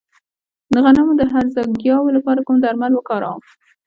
د غنمو د هرزه ګیاوو لپاره کوم درمل وکاروم؟